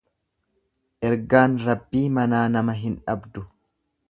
Ergaan Rabbii manaa nama hin dhabdu.